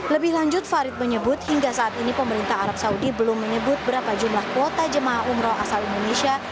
lebih lanjut farid menyebut hingga saat ini pemerintah arab saudi belum menyebut berapa jumlah kuota jemaah umroh asal indonesia